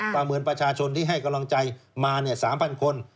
เหมือนประชาชนที่ให้กำลังใจมา๓๐๐คน